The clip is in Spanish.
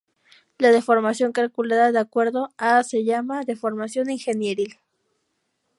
La deformación calculada de acuerdo a se llama deformación ingenieril.